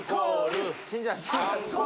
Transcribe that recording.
死んじゃう。